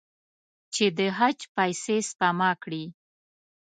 چې د حج پیسې سپما کړي.